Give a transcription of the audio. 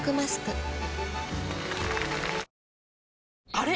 あれ？